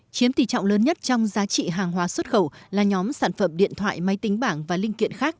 chiếm tỷ trọng lớn nhất trong giá trị hàng hóa xuất khẩu là nhóm sản phẩm điện thoại máy tính bảng và linh kiện khác